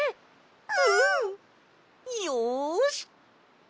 うん！よし！